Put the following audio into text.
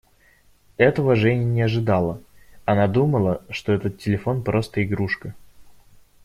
Этого Женя не ожидала; она думала, что этот телефон просто игрушка.